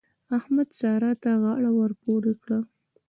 احمد؛ سارا ته غاړه ور پورې کړه.